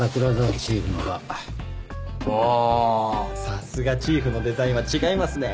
さすがチーフのデザインは違いますね